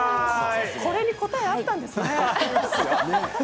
これに答えあったんですね。